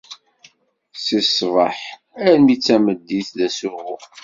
Si ṣṣbaḥ almi d tameddit d asuɣu.